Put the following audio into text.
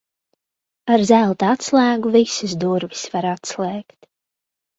Ar zelta atslēgu visas durvis var atslēgt.